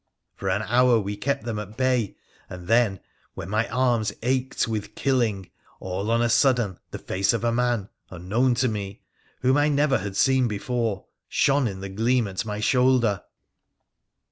For an hour we kept them at bay, and then, when my arms ached with killing, all on a sudden the face of a man unknown to me, whom I never had seen before, shone in the gleam at my shoulder.